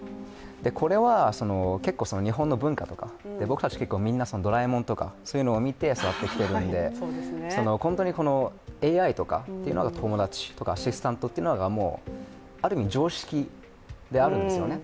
これは結構日本の文化とか、僕たち「ドラえもん」とかを見て育ってきているので本当にＡＩとかいうのが友達とかアシスタントというのがもうある意味常識であるんですよね。